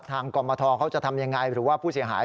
กรมทเขาจะทำยังไงหรือว่าผู้เสียหาย